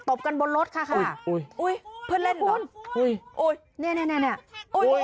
ตบกันบนรถค่ะค่ะโอ้ยโอ้ยเพื่อนเล่นเหรอโอ้ยโอ้ยเนี่ยเนี่ยเนี่ย